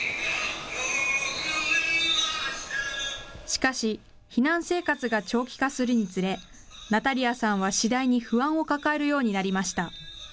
しかし、避難生活が長期化するにつれ、ナタリアさんは次第に不安を抱えるようになりました。